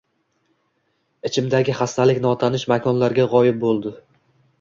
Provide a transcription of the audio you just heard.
Ichimdagi xastalik notanish makonlarga g`oyib bo`ldi